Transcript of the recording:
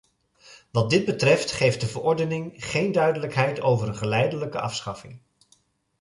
Wat dit betreft, geeft de verordening geen duidelijkheid over een geleidelijke afschaffing.